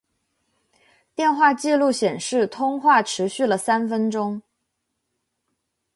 电话记录显示通话持续了三分钟。